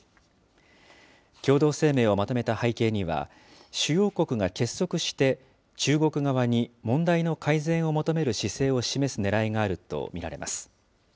共同声明をまとめた背景には、主要国が結束して中国側に問題の改善を求める姿勢を示すねらいがあると見られます。